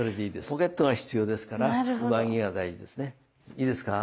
ポケットが必要ですから上着は大事ですねいいですか？